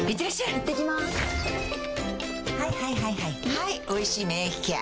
はい「おいしい免疫ケア」